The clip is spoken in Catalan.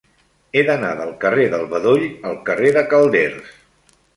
He d'anar del carrer del Bedoll al carrer de Calders.